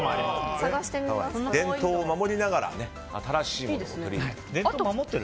伝統を守りながら新しいものを取り入れて。